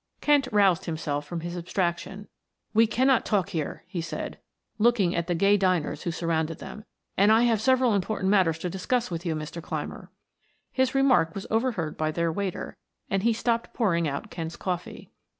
Kent roused himself from his abstraction. "We cannot talk here," he said, looking at the gay diners who surrounded them. "And I have several important matters to discuss with you, Mr. Clymer." His remark was overheard by their waiter, and he stopped pouring out Kent's coffee.